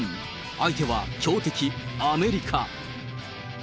相手は強敵、アメリカ。